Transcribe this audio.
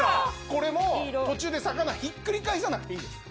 これも途中で魚ひっくり返さなくていいんです。